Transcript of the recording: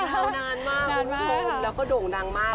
พี่เข้านานมากแล้วก็โด่งดังมาก